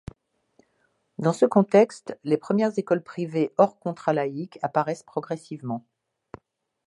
Dans ce contexte, les premières écoles privées hors contrat laïques apparaissent progressivement.